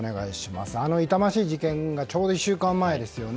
あの痛ましい事件がちょうど１週間前ですよね。